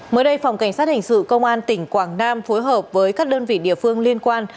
mới đây phòng cảnh sát hình sự công an tỉnh quảng nam phối hợp với các đơn vị địa phương liên quan